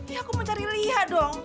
ya aku mau cari lihat dong